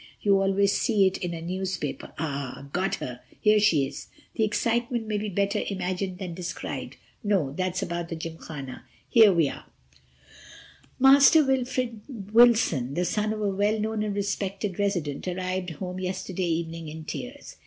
You always see it in a newspaper. Ah—got her. Here she is—'The excitement may be better imagined than described'—no, that's about the Gymkhana—here we are: "'Master Wilfred Wilson, the son of a well known and respected resident, arrived home yesterday evening in tears.